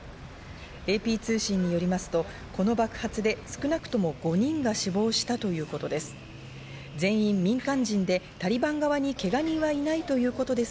ＡＰ通信によりますと、この爆発で少なくとも５人が死亡したということです。